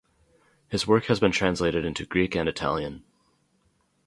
His work has been translated into Greek and Italian.